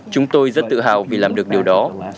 chúng tôi rất tự hào vì làm được điều đó